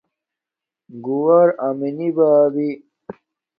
گُووار آمنݵ بابݵ